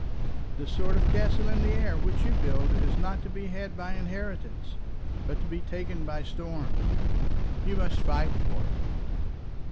The sort of castle in the air which you build, is not one to be had by inheritance, but to be taken by storm. You must fight for it."